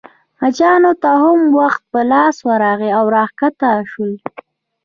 مچانو ته هم وخت په لاس ورغلی او راکښته شول.